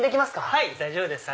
はい大丈夫です。